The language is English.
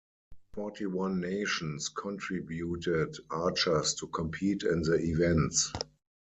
Forty-one nations contributed archers to compete in the events.